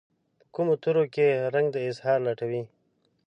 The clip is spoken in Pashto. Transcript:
په کومو تورو کې رنګ د اظهار لټوي